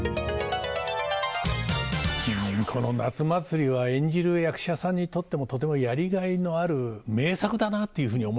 この「夏祭」は演じる役者さんにとってもとてもやりがいのある名作だなっていうふうに思いますね。